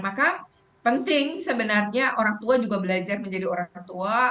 maka penting sebenarnya orang tua juga belajar menjadi orang tua